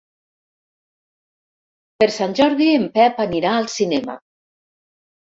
Per Sant Jordi en Pep anirà al cinema.